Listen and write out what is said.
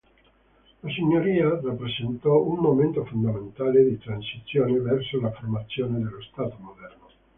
La Signoria rappresentò un momento fondamentale di transizione verso la formazione dello Stato moderno.